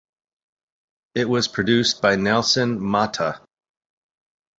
It was produced by Nelson Motta.